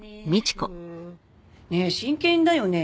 真剣だよね。